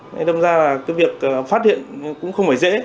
nên đồng ra là cái việc phát hiện cũng không phải dễ